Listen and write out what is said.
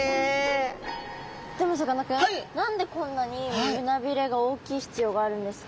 でもさかなクン何でこんなに胸鰭が大きい必要があるんですか？